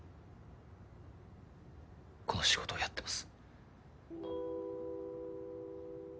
この仕事をやってます。